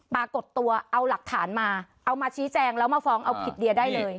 ปรากฏตัวเอาหลักฐานมาเอามาชี้แจงแล้วมาฟ้องเอาผิดเดียได้เลย